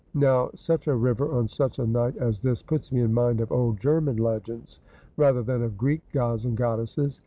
' Now such a river on such a night as this puts me in mind of old German legends rather than of Greek gods and goddesses.